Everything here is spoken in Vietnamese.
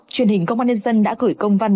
truyền hình công an nhân dân đã gửi công văn